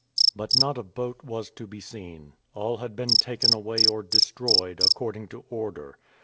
But not a boat was to be seen. All had been taken away or destroyed, according to order.